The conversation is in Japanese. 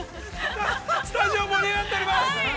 ◆スタジオは盛り上がっております。